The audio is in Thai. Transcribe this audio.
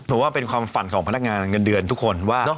ผมว่าเป็นความฝันของพนักงานเงินเดือนทุกคนว่า